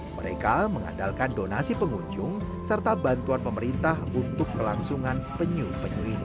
mereka mengandalkan donasi pengunjung serta bantuan pemerintah untuk kelangsungan penyu penyu ini